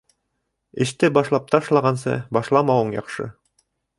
Эште башлап ташлағансы, башламауың яҡшы.